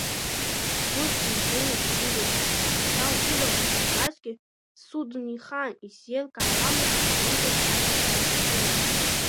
Сгәы сыздуу сҩыза ду, иахьа улаӷырӡ сымбазҭгьы, сыдунеихаан исзеилкаауамызт аҩызаҵәҟьа дышсымаз.